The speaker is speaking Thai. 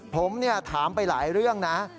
ผมถามไปหลายเรื่องนะ